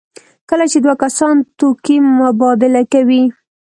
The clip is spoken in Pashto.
کله چې دوه کسان توکي مبادله کوي.